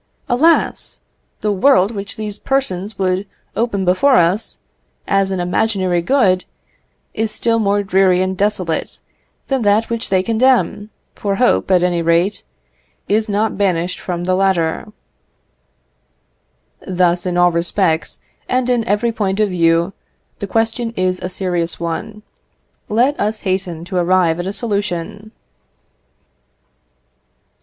Alas! the world which these persons would open before us, as an imaginary good, is still more dreary and desolate than that which they condemn, for hope, at any rate, is not banished from the latter." Thus, in all respects, and in every point of view, the question is a serious one. Let us hasten to arrive at a solution.